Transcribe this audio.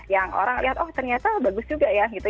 yang orang lihat oh ternyata bagus juga ya gitu